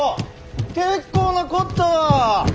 結構なこったわ！